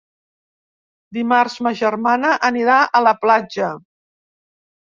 Dimarts ma germana anirà a la platja.